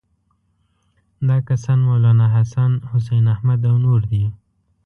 دا کسان مولناحسن، حسین احمد او نور دي.